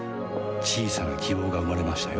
小さな希望が生まれましたよ